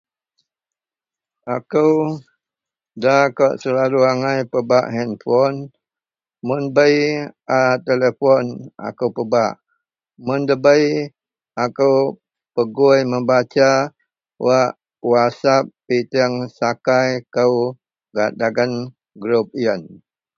akou da kawak selalu agai pebak handpon, mun bei a telepon akou pebak, mun dabei akou pegui membaca wak whatsap piteng sakai kou gak dagen group ien